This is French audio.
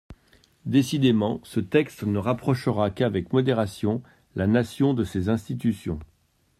Décidément, ce texte ne rapprochera qu’avec modération la nation de ses institutions.